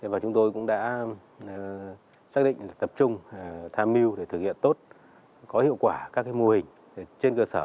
và chúng tôi cũng đã xác định tập trung tham mưu để thực hiện tốt có hiệu quả các mô hình trên cơ sở